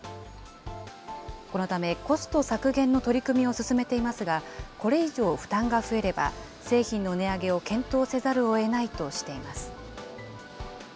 このためコスト削減の取り組みを進めていますが、これ以上、負担が増えれば、製品の値上げを検討